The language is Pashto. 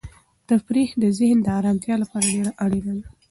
تفریح د ذهن د ارامتیا لپاره ډېره اړینه ده.